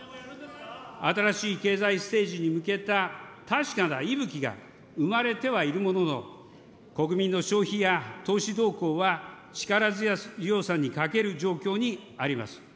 新しい経済ステージに向けた確かな息吹が生まれてはいるものの、国民の消費や投資動向は力強さに欠ける状況にあります。